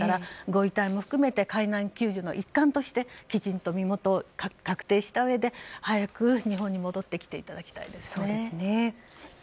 ご遺体も含めて海難救助の一環としてきちんと身元確定したうえで早く日本に戻ってきていただきたいですね。